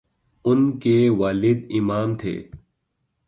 ان کے والد امام تھے۔